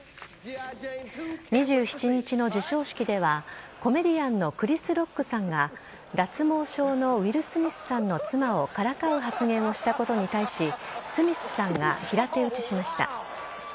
２７日の授賞式では、コメディアンのクリス・ロックさんが、脱毛症のウィル・スミスさんの妻をからかう発言をしたことに対し、スミスさんが平手打ちしました。